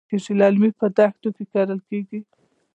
للمي په دښتو کې کرل کېږي.